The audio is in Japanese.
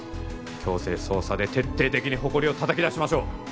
強制捜査で徹底的にホコリを叩き出しましょう！